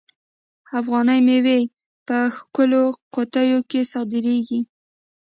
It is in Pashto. افغاني میوې په ښکلو قطیو کې صادریږي.